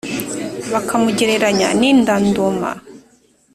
bakamugereranya n ' i ndandoma